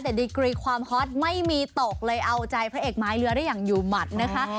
แต่ดีกรีความฮอตไม่มีตกเลยเอาใจพระเอกไม้เรือได้อย่างอยู่หมัดนะคะ